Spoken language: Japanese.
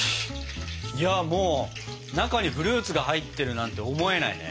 いやもう中にフルーツが入ってるなんて思えないね。